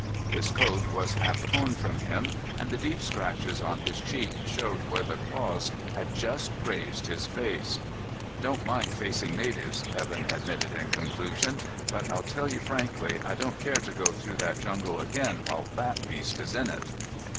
His coat was half torn from him, and the deep scratches on his cheek showed where the claws had just grazed his face. "I don't mind facing natives," Evan admitted in conclusion, "but I'll tell you frankly I don't care to go through that jungle again while that beast is in it."